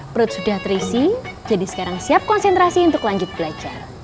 perut sudah terisi jadi sekarang siap konsentrasi untuk lanjut belajar